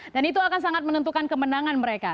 dan itu akan sangat menentukan kemenangan mereka